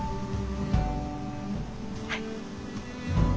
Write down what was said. はい。